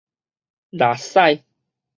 抐屎